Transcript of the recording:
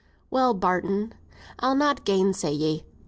] "Well, Barton, I'll not gainsay ye.